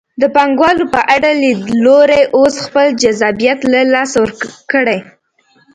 د پانګوالو په اړه لیدلوري اوس خپل جذابیت له لاسه ورکړی.